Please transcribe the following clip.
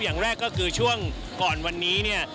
อย่างแรกก็คือช่วงก่อนวันนี้เนี่ย